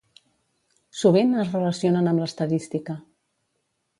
Sovint es relacionen amb l'estadística.